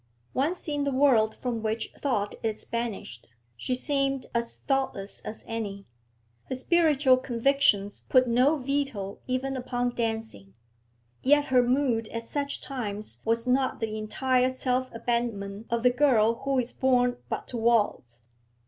Once in the world from which thought is banished, she seemed as thoughtless as any. Her spiritual convictions put no veto even upon dancing. Yet her mood at such times was not the entire self abandonment of the girl who is born but to waltz.